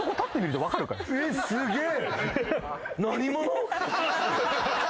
すげえ。